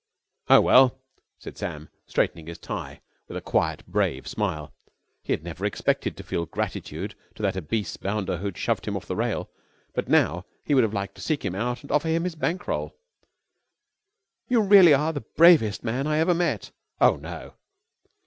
"Oh, well!" said Sam, straightening his tie, with a quiet brave smile. He had never expected to feel grateful to that obese bounder who had shoved him off the rail, but now he would have liked to seek him out and offer him his bank roll. "You really are the bravest man I ever met!" "Oh, no!"